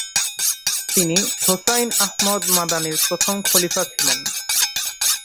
তিনি হুসাইন আহমদ মাদানির প্রথম খলিফা ছিলেন।